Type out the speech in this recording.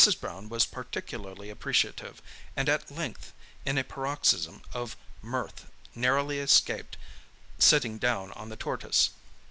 Brown was particularly appreciative, and at length in a paroxysm of mirth narrowly escaped sitting down on the tortoise.